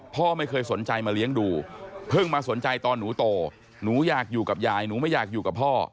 พ่อไม่เคยสนใจมาเลี้ยงดูเพิ่งมาสนใจตอนหนูโตหนูอยากอยู่กับยายหนูไม่อยากอยู่กับพ่อ